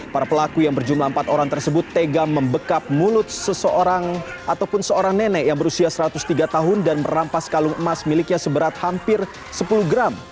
para pelaku yang berjumlah empat orang tersebut tega membekap mulut seseorang ataupun seorang nenek yang berusia satu ratus tiga tahun dan merampas kalung emas miliknya seberat hampir sepuluh gram